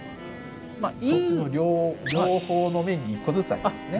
そっちの両方の面に１個ずつありますね。